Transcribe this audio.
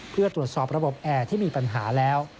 เพื่อตรวจสอบระบบแอร์ที่มีปัญหาแล้ว